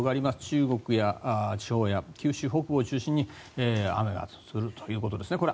中国地方や九州北部を中心に雨が降るということです。